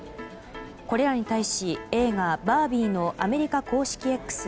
これらに対し映画「バービー」のアメリカ公式「Ｘ」